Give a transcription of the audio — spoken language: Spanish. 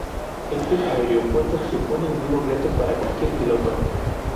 Este aeropuerto supone un duro reto para cualquier piloto.